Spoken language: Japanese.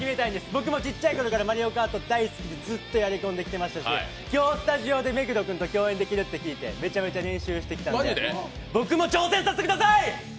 僕もちっちゃいころから「マリオカート」大好きでずっとやり込んできましたし、今日、スタジオで目黒君と共演できるって聞いてめちゃめちゃ練習してきたんで僕も挑戦させてください！